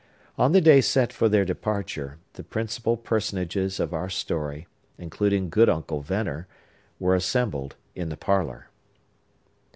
On the day set for their departure, the principal personages of our story, including good Uncle Venner, were assembled in the parlor.